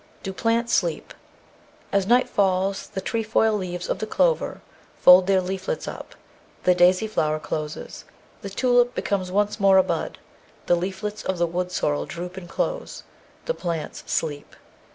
Do Plants Sleep? As night falls, the trefoil leaves of the clover fold their leaflets up, the daisy flower closes, the tulip becomes once more a bud, the leaflets of the wood sorrel droop and close: the plants sleep.